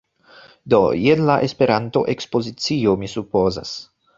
Do, jen la Esperanto-ekspozicio, mi supozas